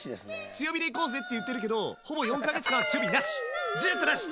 強火で行こうぜって言ってるけどほぼ４か月間ずっとなし！